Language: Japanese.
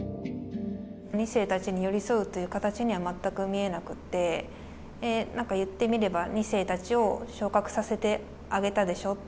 ２世たちに寄り添うという形には全く見えなくって、なんかいってみれば、２世たちを昇格させてあげたでしょう。